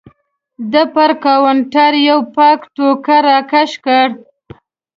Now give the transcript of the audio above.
ده پر کاونټر یو پاک ټوکر راکش کړ.